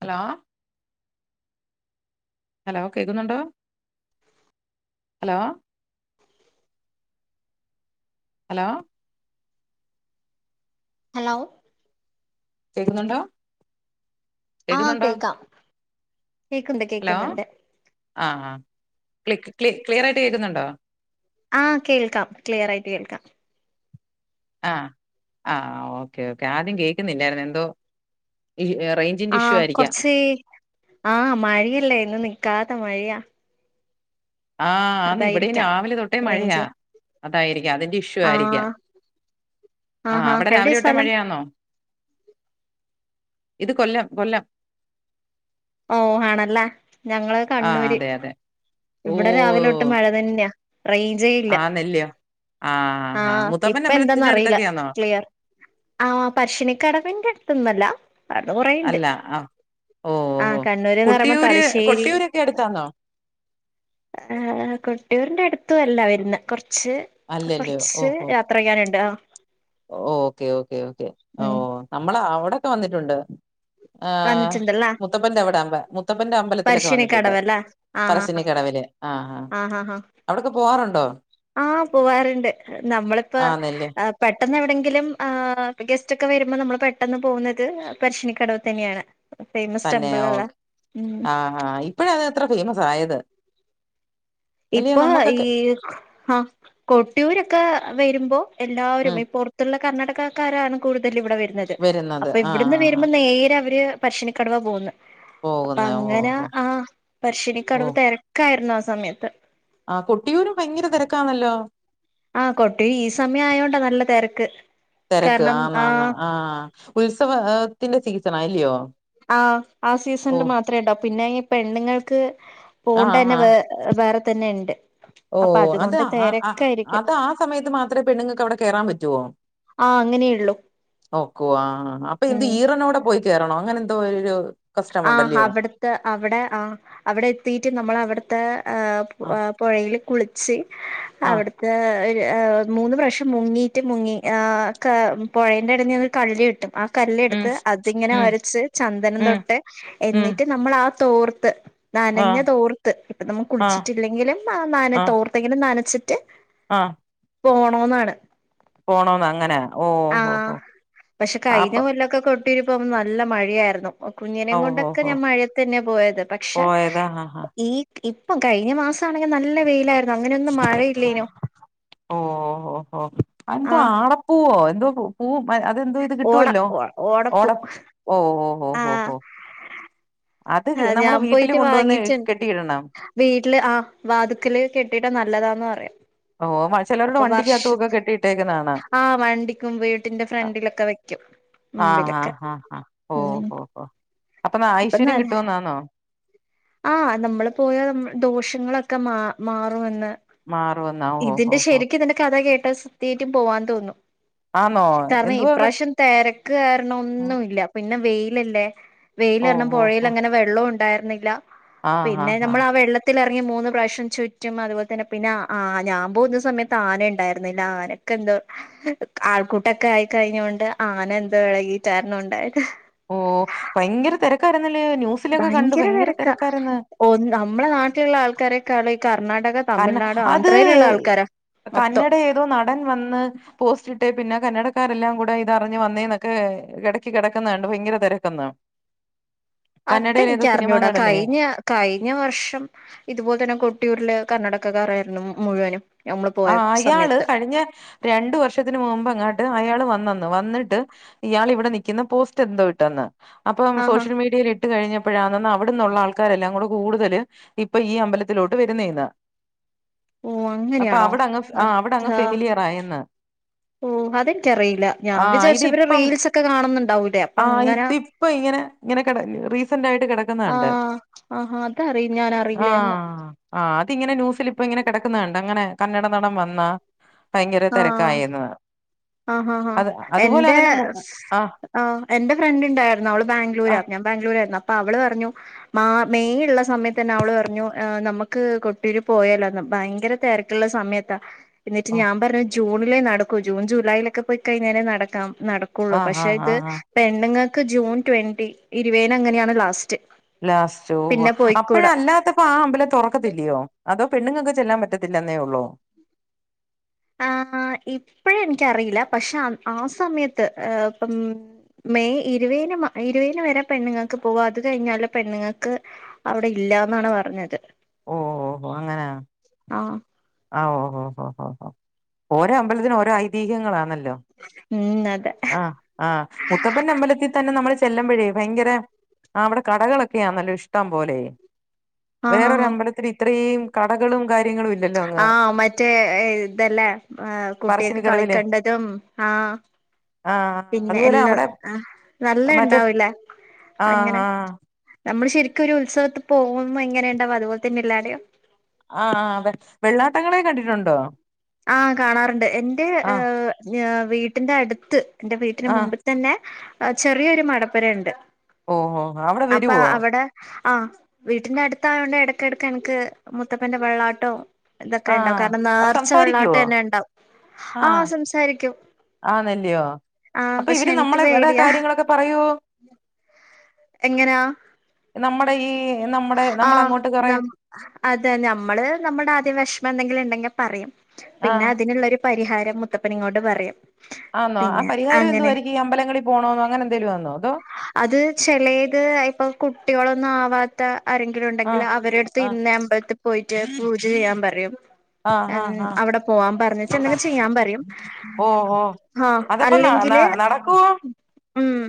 Hello hello കേൾക്കുന്നുണ്ടോ hello hello hello കേക്കുന്നുണ്ടോ ആഹ് കേക്കുന്നുണ്ടോ കേക്കാം. കേക്ക്ണ്ട് ഹലോ കേക്കുന്നുണ്ട് ആ ആ ക്ലിക് ക്ലി ക്ലിയർ ആയിട്ട് കേൾക്കുന്നുണ്ടോ? ആ കേൾക്കാം ക്ലിയർ ആയിട്ട് കേൾക്കാം. ആ ആ ഓക്കേ ഓക്കെ ആദ്യം കേൾക്കുന്നില്ലായിരുന്നു എന്തോ ഈ റേഞ്ച് ആഹ് കൊർച്ച് ആഹ് മഴയല്ലേ ഇന്ന് നിക്കാത്ത മഴയാ. ആഹ് ആന്ന് ഇവിടെയും അതായിരിക്കാം രാവിലെ തൊട്ടേ മഴയാ. റേഞ്ച് അതായിരിക്കാം അതിന്റെ ഇഷ്യൂ ആയിരിക്കാം. ആഹ് ആ ആഹാ അവിടെ രാവിലെ എവിടെയാ തൊട്ടേ സ്ഥലം മഴയാന്നോ? ഇത് കൊല്ലം കൊല്ലം ഓ ആണല്ലെ ഞങ്ങള് ആ കണ്ണൂര് അതെ അതെ ഓ ഇവിടെ രാവിലെ തൊട്ട് മഴ തന്നെയാ റയ്ഞ്ചേ ഇല്ല. ആന്നല്ലയോ ആ ആ മുത്തപ്പൻ ഇപ്പ എന്താന്ന് അമ്പലത്തിന്റെ അറിയില്ല അടുത്തൊക്കെയാണോ ക്ലിയർ ആഹ് പശ്ശിനിക്കടവിന്റെ അടുത്തൊന്നല്ല അവിട്ന്ന് കുറേണ്ട് അല്ല ആ ഓ ആ ഓ കണ്ണൂര്ന്ന് പറയുമ്പോ കൊട്ടിയൂര് തലശ്ശേരി. കൊട്ടിയൂരൊക്കെ അടുത്താണോ ഏഹ് ഏഹ് കൊട്ടിയൂരിന്റെ അട്ത്തു അല്ല വരുന്ന കൊർച്ച്. അല്ലല്ലയോ കൊർച്ച് യാത്രയ്യാനുണ്ട് ആ ഓക്കേ ഓക്കേ ഓക്കെ ഓ ഉം നമ്മള് അവിടെക്കെ വന്നിട്ടുണ്ട് ആഹ് വന്നിട്ടുണ്ടല്ലേ മുത്തപ്പൻന്റെ എവിടെമ്പ മുത്തപ്പന്റെ അമ്പലത്തിലൊക്കെ വന്നിട്ടുണ്ട് പറശ്ശിനിക്കടവല്ലേ ആഹ് പറശ്ശിനിക്കടവില് ആഹ ആ ആഹ് ആഹ് അവിടൊക്കെ പോവാറുണ്ടോ? ആഹ് പോവാറുണ്ട് നമ്മളിപ്പ ആ നെല്ല് പെട്ടെന്ന് എവിടെങ്കിലും ആ ഗെസ്റ്റ് ഒക്കെ വരുമ്പോ നമ്മള് പെട്ടെന്ന് പോവുന്നത് പരശിനിക്കടവ് തന്നെയാണ് ഫേമസ് തന്നെ ടെമ്പിൾ അല്ലേ ഓക്കെ ഉം. ആഹ് ആഹ് ഇപ്പഴത് ത്ര ഫേമസായത്. ഇപ്പൊ ഈ ആ കൊട്ടിയൂരൊക്കെ വരുമ്പോ എല്ലാവരും ഉം ഇപ്പൊർ ത്തുള്ള കർണാടകക്കാരാണ് കൂടുതൽ ഇവിടെ വരുന്നത് അപ്പൊ ആഹ് ഇവിടുന്ന് ആഹ് ആഹ് വരുമ്പോ നേരെ അവര് പശ്ശിനിക്കടവ പോവുന്ന് പോകുന്ന ഓ അപ്പങ്ങന ഓ ആഹ് പര്ശ്ശിനിക്കട്‌വ് തെര കയറ്ന്ന ആ സമയത്ത് ആഹ് കൊട്ടിയൂരും ഭയങ്കര തെരക്കാണല്ലോ. ആഹ് കൊട്ടി ഈ സമയം ആയോണ്ടാ നല്ല തെരക്ക് തെരക്ക് ആന്ന ആന്ന് ആ ഉത്സവത്തിന്റെ സീസണാ ല്ലയോ ആഹ് ആ സീസൺല് മാത്രേണ്ടാവു പിന്നെ ഈ പെണ്ണുങ്ങൾക്ക് ആഹ് പോണ്ടനെ ആഹ് വേ അ് വേറെത്തന്നെണ്ട്. ഓ അത് അ അ അത് ആ സമയത്ത് മാത്രേ പെണ്ണുങ്ങക്ക് അവിടെ കെറാൻ പറ്റുവോ ആ അങ്ങനെയുള്ളൂ ന്നോക്കുവാ അപ്പ എന്ത് ഉം ഈറനോടെ പോയി കേറണോ അങ്ങനെന്തോ ഒരോരു. ആഹ് ഹവിട്ത്ത അവിടെ ആഹ്. അവിടെ എത്തിറ്റ് നമ്മൾ അവിട്ത്തെ ആ പു ആ അ പൊഴെല് കുളിച്ച് ആ അവിട്- ക ഒരു് മൂന്ന് പ്രാവശ്യം മുങ്ങിയിട്ട് മുങ്ങി ങ ക പുഴേന്റെ ഇടനി ഒരു കല്ല്കിട്ടും ആ ഉം കല്ലെടുത്ത് അതിങ്ങനെ ഉം ഒരച്ച് ചന്ദനം ഉം തൊട്ട് ഉം എന്നിട്ട്. നമ്മളാ തോർത്ത് ആ നനഞ്ഞ തോർത്ത് ഇപ്പ നമ്മ ആ കുൾച്ചിട്ട്. അല്ലെങ്കിലും ആ നാന തോർത്തെങ്കിലും നനച്ചിട്ട് ആഹ്. പോണോന്നാണ് പോണോന്ന് അങ്ങന ആ പക്ഷെ കഴിഞ്ഞ കൊല്ലൊക്കെ കൊട്ടിയുര് പോമ്പം നല്ല മഴയായിരുന്നു ഓ കുഞ്ഞിനെയും ഹോ കൊണ്ടൊക്കെ ഹോ ഞാൻ മഴത്ത് തന്നെ പോയത് പക്ഷെ പോയതാ ആ ആ ഈ ഇപ്പം കഴിഞ്ഞ മാസാണെങ്കിൽ നല്ല വെയിലാര് ഓ ഓ ഓ ആഹ് അന്തോആട പൂവോ എന്തോ പൂ അതെന്തോ ഇത് ഓട കിട്ടുവല്ലോ ഓ ഓട ഓടപ്പൂ ഓ ഓ ഓഹ് ഹൊ ഹൊ ആഹ് ഞാൻ വീട്ടില് പോയിട്ട് കൊണ്ടുവന്ന് വാങ്ങിച്ച്ണ്ട് കെട്ടിയിടണം. വീട്ടില് ആ വാതുക്കല് കെട്ടിട്ടാ നല്ലതാന്ന് പറയാം ഓ മ ചിലരുടെ വണ്ടിക്കകത്ത ഒക്കെ കെട്ടിയിട്ടേക്കുന്നത് കാണാ ആഹ് വണ്ടിക്കും വീട്ടിന്റെ ഫ്രണ്ടിലൊക്കെ വെക്ക്യും. ആഹ് ആഹ് ഹാ ഹാ ഓ ഹോ ഹോ അപ്പന്നാ അപ്പൊ ന ഐശ്വര്യം കിട്ടുവന്നാന്നോ. ആഹ് നമ്മള് പോയ ദോഷങ്ങളൊക്കെ മാ മാറുമെന്ന് മാറുമെന്നാ ഓ ഓ ഇതിന്റെ ഓ ശരിക്കും ഇതിന്റെ കഥ കേട്ടാ സത്യായിട്ടും പോവാന്ന് തോന്നും ആന്നോ കാരണം എന്തുവാ ഈപാവശ്യം തെരക്ക് കാരണം ഒന്നുല്ല പിന്നെ വെയിലല്ലേ വെയിൽ ഓ കാര്ണം ഓ ഓ പൊഴെലങ്ങനെ വെള്ളു ഉണ്ടായിരുന്നില്ല ആഹ് പിന്നെ ആഹ് നമ്മൾ ആഹ് ആ വെള്ള ത്തിലെർങ്ങി മൂന്ന് പ്രാവശ്യം ചുറ്റും അതുപോൽ തന്നെ പിന്നെ ആ ഞാ പോകുന്ന സമയത്ത് ആനെണ്ടായിരുന്നില്ല ആനെ - ക്കന്തോ ആൾക്കൂട്ടൊക്കെ ആയിക്കഴിഞ്ഞോണ്ട് ആന എന്തോ ഇളകിട്ടായിരുന്നു ഉണ്ടായത് ഓ ഭയങ്കര തിരക്കാരുന്ന്ലേ ന്യൂസിലൊക്കെ കണ്ടു ഭയങ്കര തിരക്കാരന്ന് ഓ നമ്മളെ നാട്ടിലുള്ള ആൾക്കാരെക്കാളും ഈ കർണ്ണാടക കന്ന അത് മൊത്തം കന്നട ഏതോ നടൻ വന്ന് പോസ്റ്റ്ട്ടേ പിന്നെ കന്നടക്കാരെല്ലാം കൂടെ ഇതറിഞ്ഞ് വന്നേന്നൊക്കെ കെട്ക് കെടക്കുന്നണ്ട് ഭയങ്കര തിരക്കന്ന് [inaudible] അതെനിക്കറിഞ്ഞൂടാ കഴിഞ്ഞാ കഴിഞ്ഞ വർഷം ഇതുപോലെ തന്നെ കൊട്ടിയൂരില് കണ്ണടക്കക്കാരായിരുന്നു മുഴുവനും നമ്മള് പോയ ആഹ് അയാള് സമയത്ത് കഴിഞ്ഞ രണ്ടു വർഷത്തിന് മുമ്പെങ്ങാണ്ട് അയാള് വന്നന്ന് വന്നിട്ട്. ഇയാളിവിടെ നിക്കുന്ന പോസ്റ്റ്ന്തോ ഇട്ടന്ന് അപ്പൊ ആഹാ സോഷ്യൽ മീഡിയലി ഇട്ട് കഴിഞ്ഞപ്പോഴാണന്ന് അവിടന്നുള്ള ആൾക്കാരല്ലാം കൂടെ കൂടുതൽ ഇപ്പൊ ഈ അമ്പലത്തിലോട്ട് വരുന്നേന്ന് പോവാ അപ്പ അവിടങ്ങ് ഫെ ആഹ് അവിടങ്ങ് ഫെമിലിയർ ആയന്ന്. ഓഹ് അതെനിക്കറിയില്ല ഞാൻ ആഹ് ഇത് വിചാരിച്ചു ഇവര് ഇപ്പം റീൽസ്ക്കെ കാണുന്നുണ്ടാവൂലേ അപ്പങ്ങന ഇപ്പൊ ഇങ്ങനെ ഇങ്ങനെ റീസന്റ് ആയിട്ട് കെടക്കുണണ്ട് ആഹ് ആഹാ അതറി ഞാൻ അറിയില്ലായിരുന്നു ആഹ് ആഹ് അതിങ്ങനെ ന്യൂസിൽ ഇപ്പ ങ്ങനെ കെടക്കുന്നണ്ട് അങ്ങനെ കന്നഡ നടൻ വന്നാ പയങ്കര തെരക്കായേന്ന്. ആഹാ ഹാ ഹാ എന്റെ മു സ് ആഹ് എന്റെ ഫ്രണ്ടിണ്ടായിരുന്നു അവള് ബാംഗ്ലൂരാ ആഹ് ഞ ബാംഗ്ലൂരരുന്നു അപ്പൊ അവള് പറഞ്ഞു മാ മെയ്യുള്ള സമയത്തന്നെ അവള് പറഞ്ഞു ഏഹ് നമ്മക്ക് കൊട്ടിയൂര് പോയലോന്ന് ഭയങ്കര തെര ‌ക്കിള്ള സമിയത്താ. എന്നിട്ട് ഓഹ് ഞാൻ പറഞ്ഞു ജൂണിലേ നടക്കൂ ജൂൺ ജൂലൈലൊക്കെ പോയി കൈയ്ഞ്ഞേരേ നടക്കാം നടക്ക കുള്ളു ആഹ് പഷെ ആഹ് ഇത് ആഹ് പെണ്ണുങ്ങക്ക് ജൂൺ ട്വന്റി ഇരുവേന് അങ്ങനെണ് ലാസ്റ്റ് ലാസ്റ്റ് ഓഹ് ഓഹ് പിന്നെ പോയിക്കൂട അപ്പോഴല്ലാത്ത അപ്പൊ ആ അമ്പലം തോറക്കത്തില്ലയോ അതോ പെണ്ണുങ്ങക്ക് ചെല്ലാൻ പറ്റത്തില്ലെന്നേ ഉള്ളൂ.. ആഹ് ഇപ്പഴെനിക്കറിയില്ല പഷെ അൻ ആ സമയത്ത് ഏഹ് ഇപ്പം. മെയ് ഇരുവയ്ന് മ ഇരുവേനു വരെ പെണ്ണുങ്ങക്ക് പോവ അത് കഴിഞ്ഞാല് പെണ്ണുങ്ങക്ക് അവിടെ ഇല്ലാന്നാണ് പറഞ്ഞത്. ഓഹ് ഓഹ് ഓഹ് ഓഹോ അങ്ങനാ ആഹ് ആഹ് ഓഹോ ഹോ ഹോ ഓരോ അമ്പലത്തിന് ഓരോ ഐതീഹ്യങ്ങളാന്നല്ലോ. ഉം അതെ ആഹ് ആഹ് മുത്തപ്പന്റെ അമ്പലത്തിൽ തന്നെ നമ്മൾ ചെല്ലുമ്പോഴേ ഭയങ്കര ആഹ് അവിടെ കടകളൊക്കെ യാന്നല്ലോ ഇഷ്ടം പോലെ ആഹ് ആഹ് വേറൊരമ്പലത്തിൽ ഇത്രം കടകളും കാര്യങ്ങളും ഇ ആഹ് മറ്റേ ഇതല്ലേ ഏഹ് കുട്ടിയോക്ക് പറശ്ശിനിക്കടവിലെ കളിക്കണ്ടതും ആഹ്. ആ പിന്നെ അതുപോലെ എല്ലാം അവിടെ ആഹ് നല്ല മറ്റേ എണ്ടാവില്ല ആ അങ്ങനെ. ആ നമ്മള് ശരിക്കുരു ഉത്സവത്ത് പോവുമ്പോ എങ്ങനെണ്ടാവു അതുപോലെതന്നെല്ലാടേം.. ആ ആ അതെ വെള്ളാട്ടങ്ങളെ കണ്ടിട്ടുണ്ടോ? ആഹ് കാണാറുണ്ട് എന്റെ ആ ഹ് ഹ് വീട്ടിന്റെ അടുത്ത് എന്റെ വീട്ടിന്റെ ആ മുമ്പ് തന്നെ ചെറിയൊരു മടപ്പരയെണ്ട് ഓ ഓ അവിടെ അപ്പ വരുവോ അവിടെ. ആഹ് വീട്ടിന്റെ അടുത്തായോണ്ട് എ ടക്ക എടക്ക്നിക്ക് മുത്തപ്പന്റെ വെള്ളാട്ടോ ഇതൊക്കെണ്ടാവും ആഹ് കാരണം അത് നാർച്ച സംസാരിക്കുവോ വെള്ളാട്ടന്നെണ്ടാവും ആഹ് സംസാരിക്കും. ആ നല്ലിയോ ആഹ് അപ്പൊ പക്ഷെ ഇവര് എനിക്ക് നമ്മളെവിടെ പേടിയാ കാര്യങ്ങളൊക്കെ പറയൊ? എങ്ങനാ നമ്മുടെ ഈ നമ്മുടെ ആഹ് നമ്മളങ്ങോട്ട് കൊറേ. നം അതെ ഞമ്മള് നമ്മൾടെ ആദ്യം വിഷമം എന്തെങ്കിലും ഇണ്ടെങ്കിൽ പറയും പിന്നെ ആഹ് അതിനിള്ളൊരു പരിഹാരം മുത്തപ്പനിങ്ങോട്ട് പറയും. ആന്നോ ആ പിന്നെ പരിഹാരം അങ്ങനെ എന്തുവാരിക്കും ഈ അമ്പലങ്ങളിൽ പോണോന്ന് അങ്ങനെന്തേലു ആന്നോ അതോ അത് ചെലത് ഇപ്പം കുട്ടിളൊന്നും ആവാത്ത ആരെങ്കിലുണ്ടെങ്കിൽ ആഹ് അവരടുത്ത് ആഹ് ഇന്ന അമ്പലത്തിൽ പോയിട്ട് പൂജ ചെയ്യാൻ പറയും ആഹ് എം ആഹ് ആഹ് അവിടെ പോവാപറഞ്ഞി ചെനകി ചെയ്യാൻ പറയും.. ഓ ഓ ആഹ് അതപ്പ ന ന അല്ലെങ്കില്. നടക്കുവോ ഉം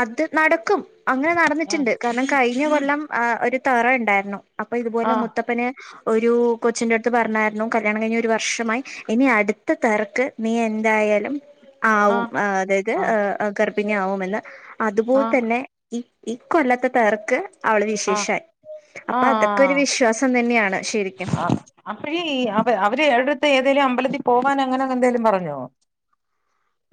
അത് നടക്കും അങ്ങനെ ആഹ് നടന്നിട്ടുണ്ട് കാരണം കഴിഞ്ഞ കൊല്ലം ആഹ് ഒരു തറയുണ്ടാരുന്നു അപ്പൊ ഇതുപോലെ ആഹ് മുത്തപ്പന് ഒരു കൊച്ചിന്റെ അട്ത്ത് പർഞ്ഞാര്ന്നു കല്യാണം കൈഞ്ഞ് ഒരു വർഷമായി ഇനി അട്ത്ത തർക്ക് നീ എന്തായാലും ആവും ആഹ് അതായത് ഗർഭിണി ആവുമെന്ന് അതുപോൽ ആഹ് തന്നെ ഈ ഈ കൊല്ലത്തെ തർക്ക് അവള് ആഹ് [unintelligible] അപ്പ അതൊ ക്കൊര് ആഹ് വിശ്വാസം തന്നേണ് ശെരിക്കും അപ്പഴീ അവ അവര് അട്ത്ത് ഏതേലും അമ്പലത്തിൽ പോവാൻ അങ്ങനെ എന്തേലും പറഞ്ഞോ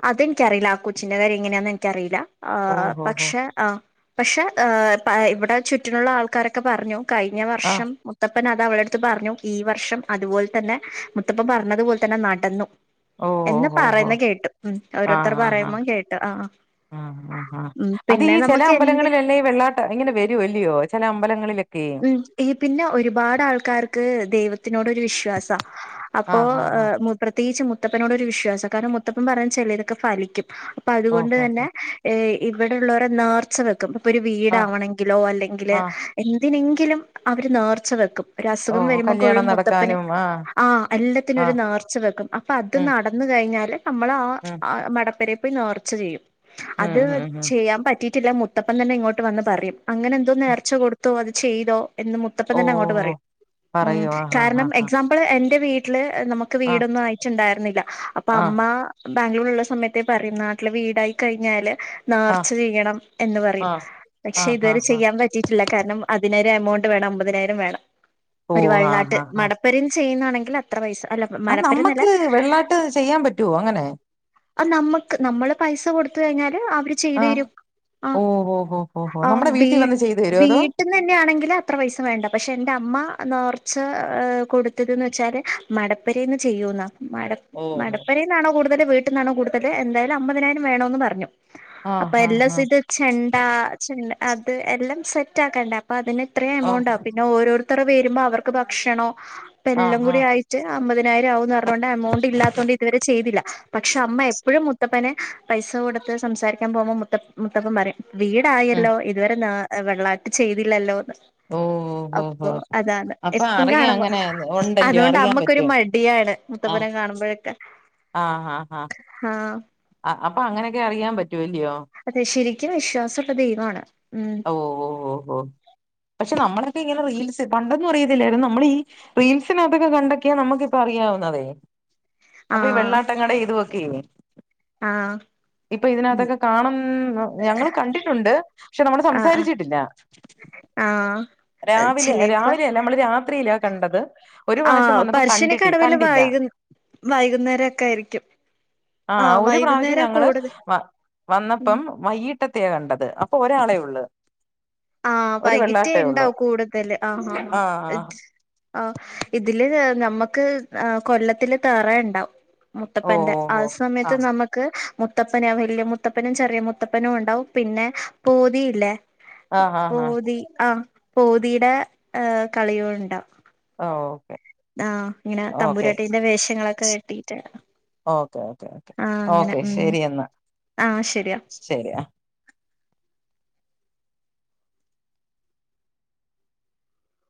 അതിൻ ക്കറീല ആ കൊച്ചിന്റെ കാര്യ എങ്ങനെയാന്ന് എൻക്കറീല ആഹ് ഓഹോ ഹോ പക്ഷെ ആഹ് പക്ഷെ ഇവടെ ചുറ്റിലുള്ള ആൾക്കാരൊക്കെ പറഞ്ഞു കഴിഞ്ഞ ആഹ് വർഷം മുത്തപ്പന അത് അവൾടട്ത്ത് പറഞ്ഞു. ഈ വർഷം അതുപോൽതന്നെ മുത്തപ്പൻ പറഞ്ഞതുപോലെ തന്നെ നടന്നു. ഓ ഓ എന്ന് ഹോ ഹോ പറേന്ന് കേട്ടു ഉം ഓരോരുത്തർ ആഹ് ആഹ് പറയുമ്പം കേട്ടു ആ ആഹ് ആഹ് ഉം അതീ പിന്നെ ചെലേ നമുക്ക് എന്ത് അമ്പലങ്ങളിൽ ല്ല ഈ വെള്ളാട്ടം ഇങ്ങനെ വെരൂ അല്ലിയോ ചെലേ അമ്പലങ്ങളിലൊക്കെ ഈ പിന്നെ ഒര്പാട് ആൾക്കാര് ക്ക് ദൈവത്തിനോടൊര് വിശ്വാസ അപ്പോ ആഹ് ആഹ് ആഹ് പ്രത്യേകിച്ച് മുത്തപ്പനോടൊരു വിശ്വാസാ കാരണം മുത്തപ്പൻ പറീണത് ചെലേതൊക്കെ ഫലിക്കും. അപ്പ അതുകൊണ്ട് ഓഹ് തന്നെ ഓഹ് ഏഹ് ഇവടെള്ളോരെ നേർച്ച ഇപ്പൊ ഒര് ആഹ് വീടാണെങ്കിലോ അല്ലെങ്കില് ആഹ് എന്തിനെങ്കിലും അവര് നേർച്ച വെക്കും ഒരു അസുഖം ഓഹ് വരുമ്പക്കെയും കല്യാണം മുത്തപ്പന് നടക്കാനും ആഹ് എല്ലത്തിനും ഒര് ആഹ് നേർച്ച വെക്കും അപ്പ അത് ഉം നടന്ന കഴിഞ്ഞാല് നമ്മൾ ആ ഉം മടപ്പെരീ പോയി നേർച്ച ചെയ്യും അത് ഉം ഉം ചെയ്യാൻ പറ്റിട്ടില്ല മുത്തപ്പൻ തന്നെ ഇങ്ങോട്ട് വന്ന് പറയും അങ്ങനെ എന്തോ ഉം നേർച്ച കൊട് ത്തോ അത് ചെയ്തോ എന്ന് മുത്തപ്പൻ തന്നെ അങ്ങോട്ട് ഓഹ് പറയും മ് പറയോ ആഹ് കാരണം ആഹ് എക്സാം അപ്പൾ എന്റെ വീട്ടില് നമുക്ക് ആഹ് വീടൊന്നും ആയിട്ട്ണ്ടായിര്ന്നില്ല അപ്പ അമ്മ ആഹ് ബാംഗ്ലൂര് ള്ള സമയത്തെ പറയും നാട്ടില് വീടായി കഴിഞ്ഞാല് ആഹ് നേർച്ച ചെയ്യണം എന്ന് ആഹ് പറയും ആഹ് പക്ഷെ ആഹ് ഇതരെ ആഹ് ആഹ് ചെയ്യാൻ പറ്റി കാരണം അതിനൊര് എമൗണ്ട് വേണം അമ്പതിനായിരം വേണം ഒര് ഓഹ് ആഹ് വെള്ളാട്ട് ആഹ് മ ആഹ് രും ചെയ്യുന്നാണെങ്കിൽ അത്ര പൈസ അത് മടപ്പരന്നല്ല നമ്മക്ക് വെള്ളാട്ട് ചെയ്യാൻ പറ്റോ അങ്ങനെ അത് നമ്മക്ക് നമ്മള് പൈസ കൊടുത്ത കഴിഞ്ഞാല് അവര് ആഹ് ചെയ്തേരും ആഹ് ഓഹ് ഓഹ് ഓഹ് ഓഹോ ആഹ് നമ്മുടെ വീട്ടിൽ വന്ന് വീട്ടി ചെയ്തു തരുവോ വീ അതോ ട്ടിലെന്നേണങ്കില് അത്ര പൈസ വേണ്ട പക്ഷെ എന്റെ അമ്മ നോർച്ച് കൊട്ത്തത്ന്ന് വെച്ചാല് മടപ്പെരേന്ന് ചെയ്യൂന്നാ മ ഓഹ് മടപ്പെരേന്നാണോ കൂടുതല് വീട്ട്ന്നാണോ കൂട്തല് എന്തായാലും അമ്പതിനായിരം വേണോന്ന് പറഞ്ഞു അപ്പൊ ആഹ് ആഹ് എല്ലാസം ആഹ് ഇത് ചെണ്ടാ ചെ അത് എല്ലാം സെറ്റ് ആക്കണ്ടേ അപ്പത് ന് ത്രേ ഓഹ് എമൗണ്ടാവും പിന്നെ ഓരോര്ത്തര് വര്മ്പോ അവർക്ക് ഭക്ഷണോം അപ്പെല്ലം ആഹ് കൂടി ആഹ് ആയി റ്റ് അമ്പതിനായിരം ആവൂന്ന് പർഞ്ഞോണ്ട് എമൗണ്ടില്ലാത്തൊണ്ട് ഇതുവരെ ചെയ്തില്ല പക്ഷെ അമ്മ എപ്പഴും മുത് മുത്തപ്പനെ പൈസ കൊടുത്ത് സംസാരിക്കാൻ പോകുമ്പോ മുത്ത മുത്തപ്പൻ പറയും ഉം വീടായല്ലോ ഇതുവരെ നേ ഏ വെള്ളാട്ട് ചെയ്തില്ലല്ലോന്ന് ഓഹ് ഓഹ് അപ്പൊ ഓഹ് അതാണ് അപ്പൊ എപ്പം അറിയാം കാണുമ്പോ അങ്ങനെ ഉണ്ടല്ലോ അതോണ്ട് അറിയാൻ അമ്മക്കൊരു പറ്റും മട്യാണ് ആഹ് മുത്തപ്പനെ കാണുമ്പോയേ ക്കെ ആഹ് ഹാ ഹാ അ അപ്പൊ അങ്ങനെയൊക്കെ അറിയാൻ പറ്റു ല്ലിയോ അതെ ശെരിക്കും വിശ്വാസള്ള ദൈവാണ് മ് ഓ ഓ ഓഹോ പക്ഷെ നമ്മളൊക്കെ ഇങ്ങനെ റീൽസ് പണ്ടൊന്നും അറിയത്തില്ലാര്ന്നു നമ്മളീ റീൽസിനകതൊക്കെ കണ്ടൊക്കെയാ നമ്മക്കിപ്പൊ അറിയാവുന്നതേ അപ്പൊ ഈ ആഹ് വെള്ളാട്ടകടെ ഇത്വൊക്കേ ആഹ് കാണും ഞങ്ങള് കണ്ടിട്ടുണ്ട് പക്ഷെ നമ്മള് ആഹ് ആഹ് സംസാരിച്ചിട്ടില്ല ആഹ് രാവിലെ ചെലേപ്പ രാവിലെയല്ല ഞമ്മള് രാത്രീലാ കണ്ടത് ഒരു ആഹ് പ്രാവശ്യം വന്നപ്പോ കണ്ടിട്ട് കണ്ടില്ല വൈകുന്നേരൊക്കായിരിക്കും ആ ഒര്പ്രാവശ്യം ഞങ്ങള് വ വന്നപ്പം വൈകിട്ടത്തേ കണ്ടത് അപ്പൊ ഒരാളെ ഉള്ളു. ആഹ് വൈകിട്ടേ ഉണ്ടാവു കൂടുതല് ആഹ് ആഹ് ആഹ് ഇതില് നമ്മുക്ക് കൊല്ലത്തില് തേറ ഉണ്ടാവും. ഓ മുത്തപ്പന്റെ ഓ ആ ഓ സമയത്ത് ആഹ് നമ്മ ക്ക് മുത്തപ്പന വലിയ മുത്തപ്പനും ചെറിയ മുത്തപ്പനും ഉണ്ടാവും, പിന്നെ പോതിയില്ലേ. ആഹ് ആഹ് പോതി ആഹ് പോതിയുടെ കളിയും ഉണ്ടാവും. ആഹ് ഓക്കെ. ആഹ് ഇങ്ങനെ ഓക്കെ തമ്പൂരാട്ടിന്റെ വേഷങ്ങളൊക്കെ കെട്ടിയിട്ട്. ഓക്കെ ഓക്കെ ഓക്കെ ആഹ് അങ്ങനെ ഓക്കെ ഉം ആഹ് ശരിയാ. ശരിയാ.